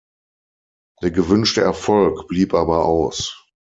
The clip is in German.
Der gewünschte Erfolg blieb aber aus.